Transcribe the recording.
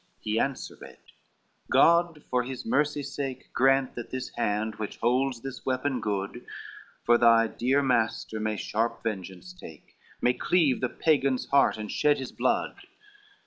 LXXXIV He answered, "God for his mercy's sake, Grant that this hand which holds this weapon good For thy dear master may sharp vengeance take, May cleave the Pagan's heart, and shed his blood."